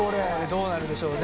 どうなるでしょうね？